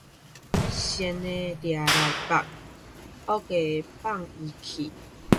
善的掠來縛，惡的放伊去